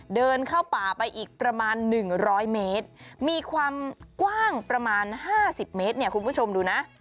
เดินเข้าป่าไปอีกประมาณ๑๐๐เมตรมีความกว้างประมาณ๕๐เมตรเนี่ยคุณผู้ชมดูนะ